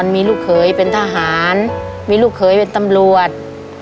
มีลูกเขยเป็นทหารมีลูกเขยเป็นตำรวจ